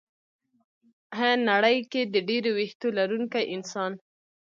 ه نړۍ کې د ډېرو وېښتو لرونکي انسان